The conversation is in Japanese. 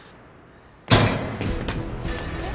えっ？